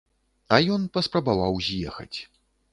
А ён паспрабаваў з'ехаць.